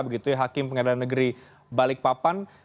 begitu ya hakim pengadilan negeri balikpapan